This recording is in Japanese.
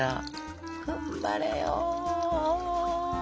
頑張れよ！